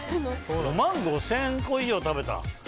５万５０００個以上食べた？